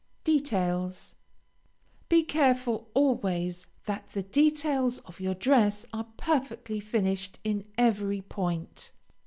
DETAILS Be careful always that the details of your dress are perfectly finished in every point.